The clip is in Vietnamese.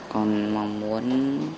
con mong muốn